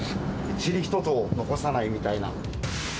ちり一つ残さないみたいな。